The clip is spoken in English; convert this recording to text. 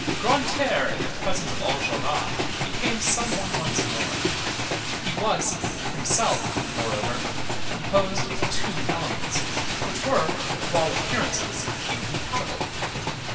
Grantaire in the presence of Enjolras became some one once more. He was, himself, moreover, composed of two elements, which were, to all appearance, incompatible.